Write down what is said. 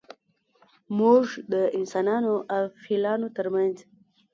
موږ د انسانانو او فیلانو ترمنځ